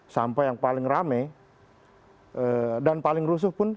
sampai yang paling rame dan paling rusuh pun